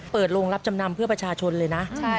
เปิดโรงรับจำนำเพื่อประชาชนเลยนะ